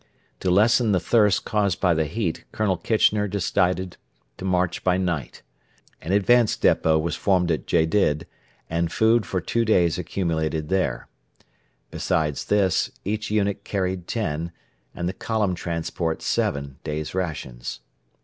To lessen the thirst caused by the heat Colonel Kitchener decided to march by night. An advanced depot was formed at Gedid and food for two days accumulated there. Besides this, each unit carried ten, and the column transport seven, days' rations.